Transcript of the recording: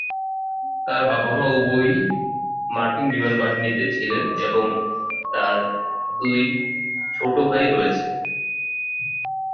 তার বাবা-মা উভয়ই মার্কিন বিমান বাহিনীতে ছিলেন এবং তার দুই ছোট ভাই রয়েছে।